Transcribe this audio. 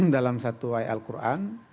dalam satu ayat al quran